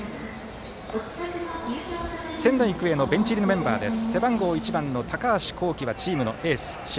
仙台育英のベンチ入りのメンバーです。